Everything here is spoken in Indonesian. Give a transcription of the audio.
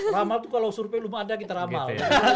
ramal itu kalau survei belum ada kita ramal